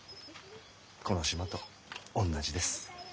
この島と同じです。